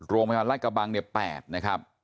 โรงพยาบาลรัฐกระบังเนี่ย๘นะครับ